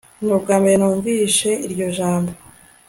nubwambere numvise iryo jambo